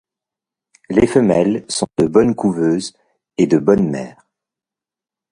Les femelles sont de bonne couveuses et de bonnes mères.